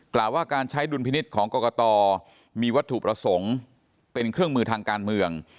กล่าวว่าการใช้ดุลพินิษฐ์ของกรกตมีวัตถุประสงค์เป็นเครื่องมือทางการเมือง